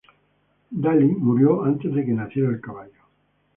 Daly murió antes de que naciera el caballo.